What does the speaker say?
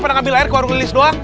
pada ambil air ke warung lilis doang